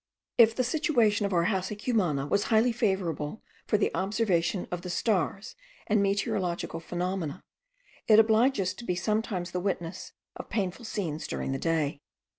If the situation of our house at Cumana was highly favourable for the observation of the stars and meteorological phenomena, it obliged us to be sometimes the witnesses of painful scenes during the day.